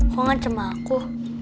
kok nggak cemaku